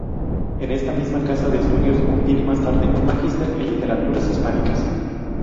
En esta misma casa de estudios obtiene más tarde un magíster en literaturas hispánicas.